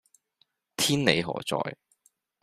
天理何在